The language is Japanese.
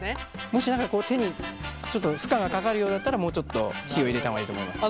もし何か手に負荷が掛かるようだったらもうちょっと火を入れた方がいいと思います。